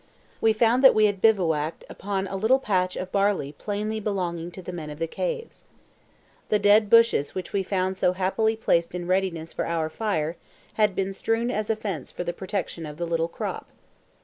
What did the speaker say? We found that we had bivouacked upon a little patch of barley plainly belonging to the men of the caves. The dead bushes which we found so happily placed in readiness for our fire had been strewn as a fence for the protection of the little crop.